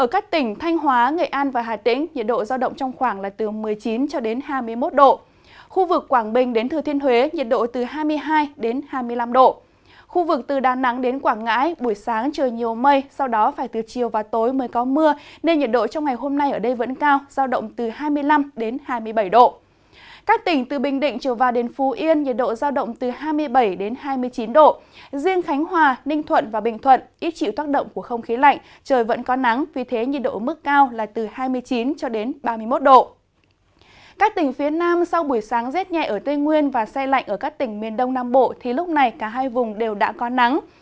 các tỉnh phía nam sau buổi sáng rét nhẹ ở tây nguyên và xe lạnh ở các tỉnh miền đông nam bộ thì lúc này cả hai vùng đều đã có nắng